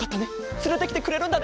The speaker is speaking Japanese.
つれてきてくれるんだね？